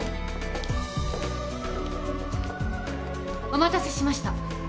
お待たせしました。